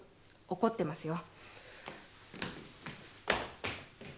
怒ってますよ。